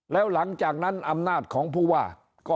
แล้วหลังจากนั้นอำนาจของผู้ว่าก็